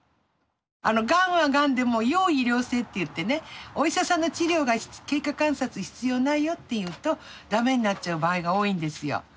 がんはがんでも要医療性っていってねお医者さんの治療が経過観察必要ないよっていうとだめになっちゃう場合が多いんですよ。